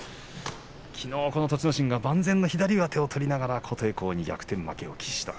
きのう栃ノ心万全の左上手を取りながら琴恵光に逆転負けしました。